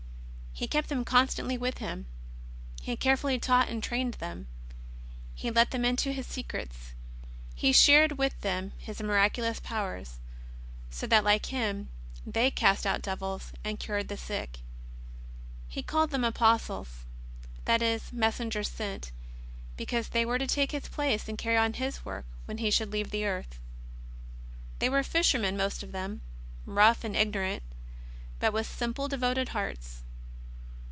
He kept them constantly with Him, He carefully taught and trained JESTJS OF NAZARETH. 19 them, He let them into His secrets, He shared with them His miraculous powers, so that like Him they cast out devils, and cured the sick. He called them Apostles, that is, messengers sent, because they were to take His place and carry on His work when He should leave the earth. They were fishermen, most of them, rough and ignorant, but with simple, devoted hearts.